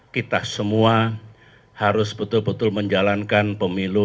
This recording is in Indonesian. kita semua harus betul betul menjalankan pemilu